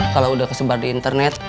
kalau sudah kesebar di internet